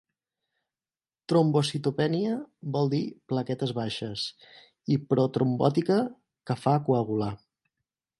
“Trombocitopènia” vol dir ‘plaquetes baixes’ i “pro-trombòtica”, ‘que fa coagular’.